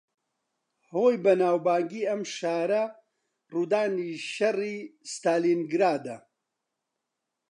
ھۆی بەناوبانگی ئەم شارە، ڕوودانی شەڕی ستالینگرادە